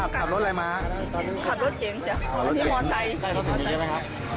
ขับรถอะไรมาขับรถเก่งจ้ะมอเซย์ได้รถสุดเยอะไหมครับ